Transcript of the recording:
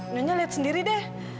nenek lihat sendiri deh